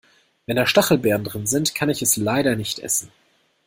Wenn da Stachelbeeren drin sind, kann ich es leider nicht essen.